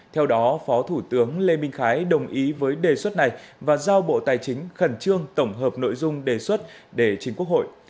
theo đó phó thủ tướng lê minh khái đồng ý với đề xuất này và giao bộ tài chính khẩn trương tổng hợp nội dung đề xuất để chính quốc hội